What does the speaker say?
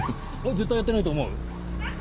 絶対やってないと思う？